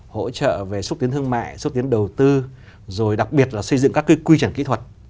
hỗ trợ về xúc tiến thương mại xúc tiến đầu tư rồi đặc biệt là xây dựng các cái quy chuẩn kỹ thuật